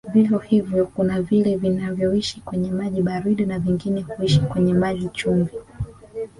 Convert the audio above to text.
Vivyo hivyo kuna vile vinavyoishi kwenye maji baridi na vingine huishi kwenye maji chumvi